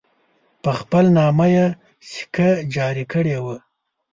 په خپل نامه یې سکه جاري کړې وه.